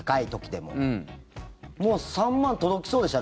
もう３万届きそうでしたよ。